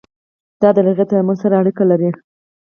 دا له هغې تعامل سره اړیکه لري.